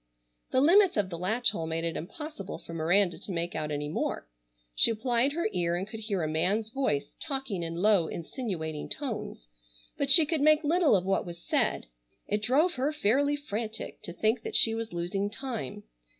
The limits of the latch hole made it impossible for Miranda to make out any more. She applied her ear and could hear a man's voice talking in low insinuating tones, but she could make little of what was said. It drove her fairly frantic to think that she was losing time.